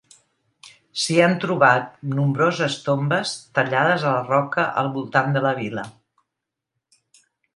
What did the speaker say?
S'hi han trobat nombroses tombes tallades a la roca al voltant de la vila.